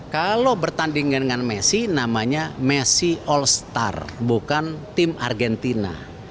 kalau bertanding dengan messi namanya messi all star bukan tim argentina